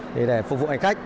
thì để phục vụ hành khách